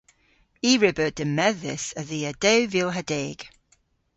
I re beu demmedhys a-dhia dew vil ha deg.